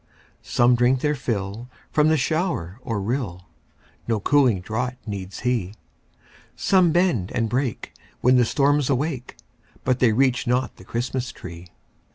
Some drink their fill from the shower or rill; No cooling draught needs he; Some bend and break when the storms awake, But they reach not the Christmas tree.